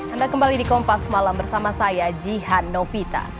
anda kembali di kompas malam bersama saya jihan novita